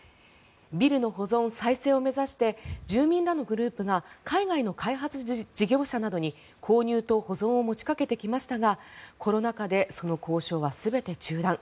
ビルの保存・再生を目指して住民らのグループが海外の開発事業者などに購入と保存を持ちかけてきましたがコロナ禍でその交渉は全て中断。